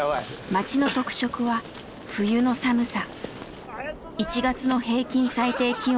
町の特色は冬の寒さ。